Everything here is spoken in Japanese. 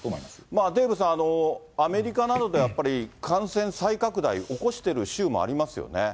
デーブさん、アメリカなどでは、やっぱり、感染再拡大、起こしてる州もありますよね？